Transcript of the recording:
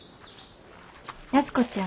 安子ちゃん。